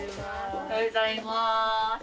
・おはようございます。